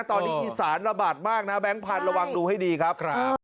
ตอนนี้อีสานระบาดมากนะแบงค์พันธุ์ระวังดูให้ดีครับ